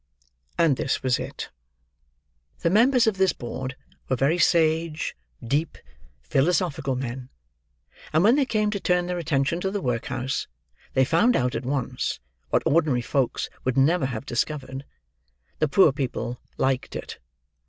And this was it: The members of this board were very sage, deep, philosophical men; and when they came to turn their attention to the workhouse, they found out at once, what ordinary folks would never have discovered—the poor people liked it!